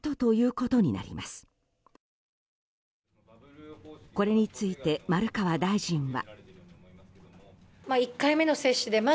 これについて、丸川大臣は。